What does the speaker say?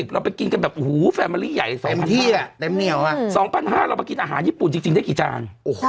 ๒๕๐เราไปกินกันแบบโอ้โหแฟมิลี่ใหญ่๒๕๐๐เราไปกินอาหารญี่ปุ่นจริงได้กี่จาน